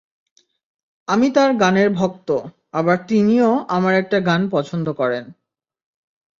আমি তাঁর গানের ভক্ত, আবার তিনিও আমার একটা গান পছন্দ করেন।